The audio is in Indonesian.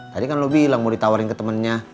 tadi kan lo bilang mau ditawarin ke temennya